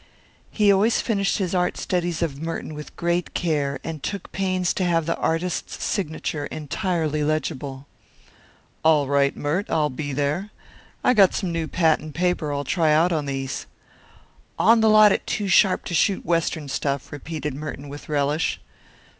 He always finished his art studies of Merton with great care, and took pains to have the artist's signature entirely legible. "All right, Mert, I'll be there. I got some new patent paper I'll try out on these." "On the lot at two sharp to shoot Western stuff," repeated Merton with relish.